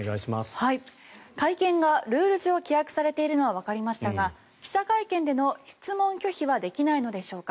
会見がルール上規約されているのはわかりましたが記者会見での質問拒否はできないのでしょうか。